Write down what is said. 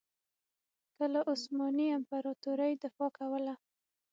که له عثماني امپراطورۍ دفاع کوله.